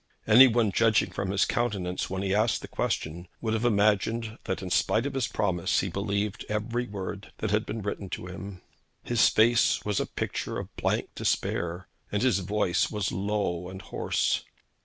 Any one judging from his countenance when he asked the question would have imagined that in spite of his promise he believed every word that had been written to him. His face was a picture of blank despair, and his voice was low and hoarse.